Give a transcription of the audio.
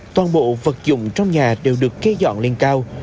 toàn bộ vật dụng trong nhà đều được kê dọn lên cao